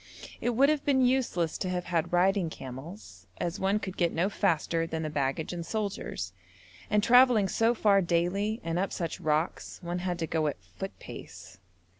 It would have been useless to have had riding camels, as one could get no faster than the baggage and soldiers, and travelling so far daily, and up such rocks, one had to go at foot pace.